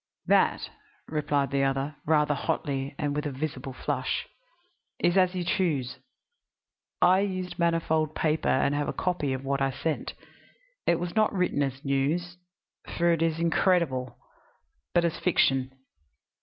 "That," replied the other, rather hotly and with a visible flush, "is as you choose. I used manifold paper and have a copy of what I sent. It was not written as news, for it is incredible, but as fiction.